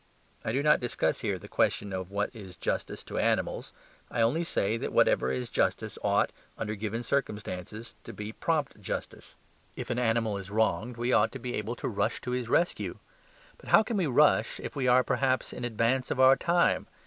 I do not discuss here the question of what is justice to animals. I only say that whatever is justice ought, under given conditions, to be prompt justice. If an animal is wronged, we ought to be able to rush to his rescue. But how can we rush if we are, perhaps, in advance of our time?